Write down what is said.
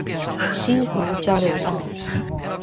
溪湖交流道